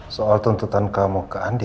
soal tuntutan kamu ke andi